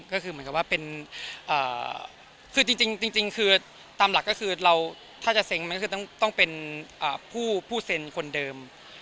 ก็คือเหมือนกับว่าเป็นคือจริงคือตามหลักก็คือเราถ้าจะเซ็งมันก็คือต้องเป็นผู้เซ็นคนเดิม